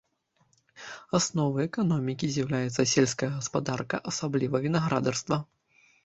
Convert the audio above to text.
Асновай эканомікі з'яўляецца сельская гаспадарка, асабліва вінаградарства.